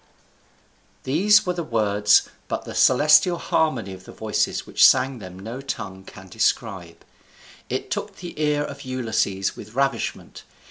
These were the words, but the celestial harmony of the voices which sang them no tongue can describe: it took the ear of Ulysses with ravishment.